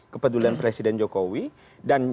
kepedulian presiden jokowi dan